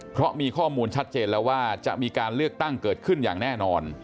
เพราะมีข้อมูลชัดเจนแล้วว่าจะมีการเลือกตั้งเกิดขึ้นอย่างแน่นอน